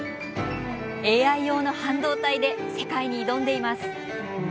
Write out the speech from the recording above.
ＡＩ用の半導体で世界に挑んでいます。